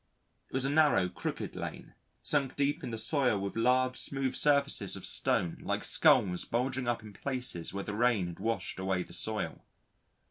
It was a narrow crooked lane, sunk deep in the soil with large smooth surfaces of stone like skulls bulging up in places where the rain had washed away the soil.